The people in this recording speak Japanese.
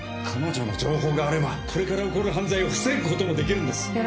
彼女の情報があればこれから起こる犯罪を防ぐこともできるんです